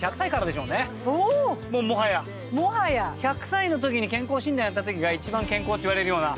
１００歳のときに健康診断やったときが一番健康って言われるような。